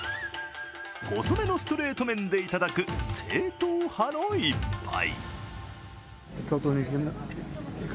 細めのストレート麺でいただく正統派の一杯。